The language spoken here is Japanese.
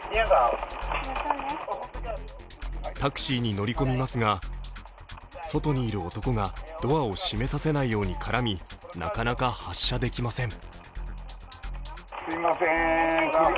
タクシーに乗り込みますが外にいる男がドアを締めさせないように絡み、なかなか発車できません。